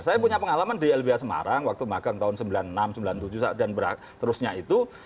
saya punya pengalaman di lba semarang waktu magang tahun sembilan puluh enam sembilan puluh tujuh dan berlaku terusnya itu